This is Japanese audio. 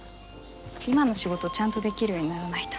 今の仕事ちゃんとできるようにならないと。